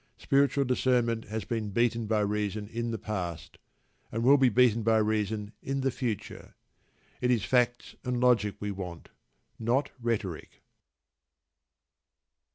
Spiritual Discernment has been beaten by reason in the past, and will be beaten by reason in the future. It is facts and logic we want, not rhetoric.